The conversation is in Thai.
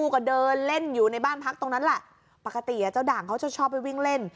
ก็เดินเล่นอยู่ในบ้านพักตรงนั้นแหละปกติเจ้าด่างเขาจะชอบไปวิ่งเล่น